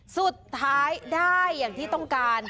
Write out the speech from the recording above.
สุดท้ายได้อย่างที่ต้องการ